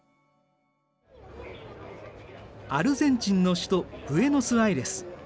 アルゼンチンの首都ブエノスアイレス。